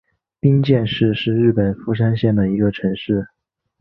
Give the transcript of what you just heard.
冰见市是日本富山县的一个城市。